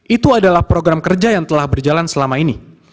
itu adalah program kerja yang telah berjalan selama ini